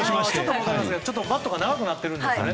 バットが長くなってるんですね。